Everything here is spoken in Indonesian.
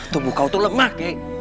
tubuh kau tuh lemah ki